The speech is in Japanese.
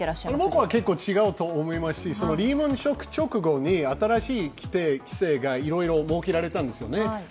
僕は結構違うと思いますし、リーマン・ショック以降に新しい規制が設けられたんですよね。